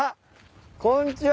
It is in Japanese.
こんにちは。